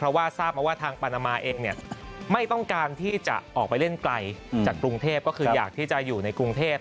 เพราะว่าทราบมาว่าทางปานามาเองไม่ต้องการที่จะออกไปเล่นไกลจากกรุงเทพก็คืออยากที่จะอยู่ในกรุงเทพ